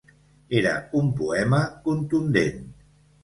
Era un poema contundent.